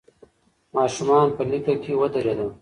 ماشومان په لیکه کې ودرېدل.